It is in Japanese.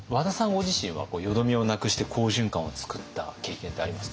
ご自身は淀みをなくして好循環をつくった経験ってありますか？